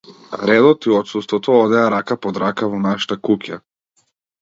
Редот и отсуството одеа рака под рака во нашата куќа.